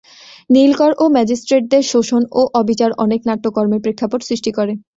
নীলকর ও ম্যাজিস্ট্রেটদের শোষণ ও অবিচার অনেক নাট্যকর্মের প্রেক্ষাপট সৃষ্টি করে।